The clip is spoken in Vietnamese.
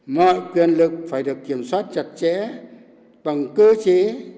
mọi quyền lực phải được kiểm soát chặt chẽ bằng cơ chế